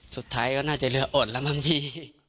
สุดท้ายก็น่าจะเหลืออดแล้วบางที